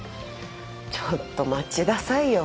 ちょっと待ちださいよ。